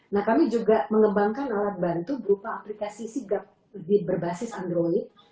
nah kami juga mengembangkan alat bantu berupa aplikasi sigap lebih berbasis android